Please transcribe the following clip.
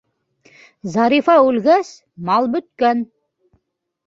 Зарифа үлгәс, мал бөткән.